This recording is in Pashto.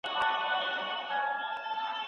د احمدشاه بابا ژوند د پښتنو لپاره یو الهام دی.